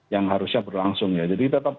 yang harusnya berlangsung ya jadi tetap